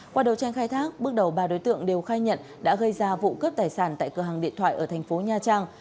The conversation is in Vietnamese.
qua đầu tranh khai thác bước đầu ba đối tượng đều khai nhận đã gây ra vụ cướp tài sản tại cửa hàng điện thoại ở thành phố nha trang